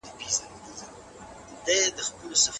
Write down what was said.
موږ بايد هڅه وکړو.